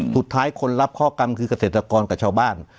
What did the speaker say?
คนรับข้อกรรมคือเกษตรกรกับชาวบ้าน